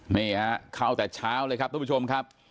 นี่ฮะเข้าแต่เช้าเลยครับทุกผู้ชมครับ